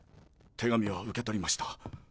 手紙は受け取りました。